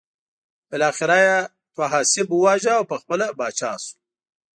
بالاخره یې طاهاسپ وواژه او پخپله پاچا شو.